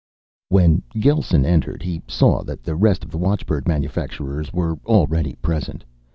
_ When Gelsen entered, he saw that the rest of the watchbird manufacturers were already present.